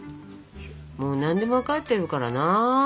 もう何でも分かってるからな。